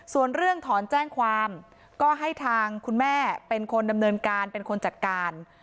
ส่วนเรื่องถอนแจ้งความก็ให้ทางคุณแม่เป็นคนดำเนินการเป็นคนจัดการ